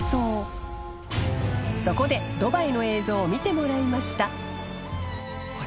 ドバイの映像を見てもらいました磴